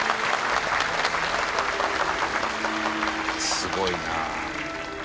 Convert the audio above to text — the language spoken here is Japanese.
「すごいなあ」